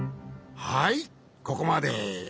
はいここまで。